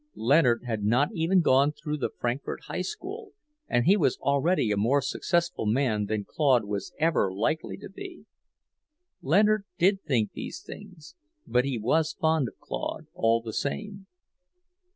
Leonard had not even gone through the Frankfort High School, and he was already a more successful man than Claude was ever likely to be. Leonard did think these things, but he was fond of Claude, all the same.